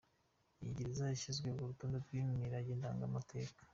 Iyi gereza yashyizwe ku rutonde rw’imirage ndangamateka.